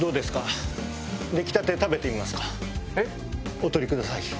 お取りください。